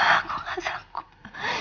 aku gak sanggup